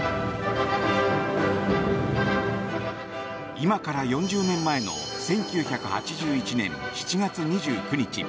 今から４０年前の１９８１年７月２９日。